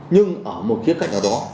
nhưng ở một khía cạnh đó